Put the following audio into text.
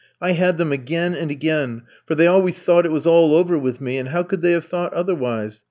I had them again and again, for they always thought it was all over with me, and how could they have thought otherwise?